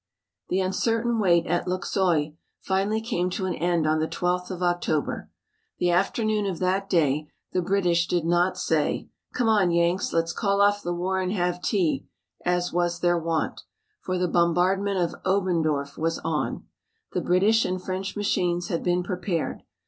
The uncertain wait at Luxeuil finally came to an end on the 12th of October. The afternoon of that day the British did not say: "Come on Yanks, let's call off the war and have tea," as was their wont, for the bombardment of Oberndorf was on. The British and French machines had been prepared.